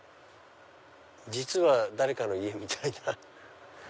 実は誰かの家みたいな。